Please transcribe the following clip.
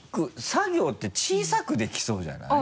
サ行って小さくできそうじゃない？